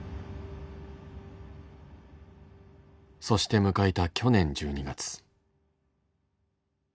そして迎えた去年１２月。